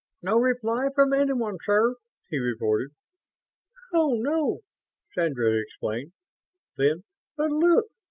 "No reply from anyone, sir," he reported. "Oh, no!" Sandra exclaimed. Then, "But look!